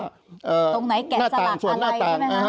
ตรงไหนแกะสลักอะไรใช่ไหมคะ